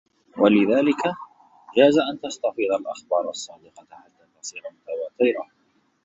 وَلِذَلِكَ جَازَ أَنْ تَسْتَفِيضَ الْأَخْبَارُ الصَّادِقَةُ حَتَّى تَصِيرَ مُتَوَاتِرَةً